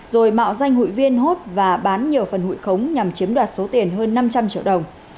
rồi mạo danh hụi viên hốt và bán nhiều phần hụi khống nhằm chiếm đoạt số tiền hơn năm trăm linh triệu đồng